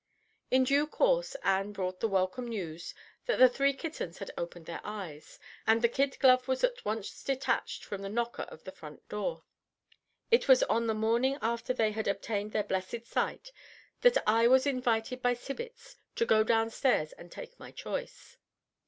In due course Ann brought the welcome news that the three kittens had opened their eyes, and the kid glove was at once detached from the knocker of the front door. It was on the morning after they had obtained their blessed sight that I was invited by Tibbits to go downstairs and take my choice.